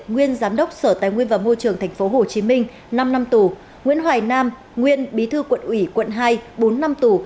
nguyên giám đốc sở tài nguyên và môi trường tp hcm năm năm tù nguyễn hoài nam nguyên bí thư quận ủy quận hai bốn năm tù